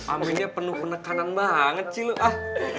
aminnya penuh penekanan banget sih lo ah